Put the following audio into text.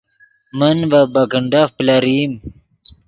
من ڤے بیکنڈ پلرئیم